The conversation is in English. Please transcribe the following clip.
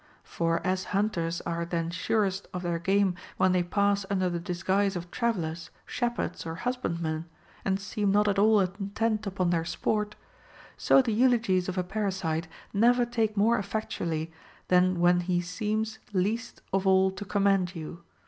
For as hunters are then surest of their game when they pass under the disguise of travellers, shepherds or husbandmen, and seem not at all intent upon their sport ; so the eulogies of a parasite never take more effectually than when he seems least of all to commend you.